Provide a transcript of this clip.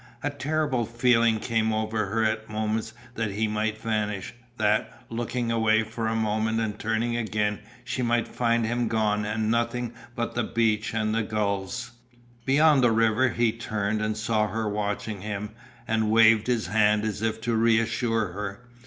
A terrible feeling came over her at moments that he might vanish, that, looking away for a moment and turning again she might find him gone and nothing but the beach and the gulls. Beyond the river he turned and saw her watching him and waved his hand as if to reassure her.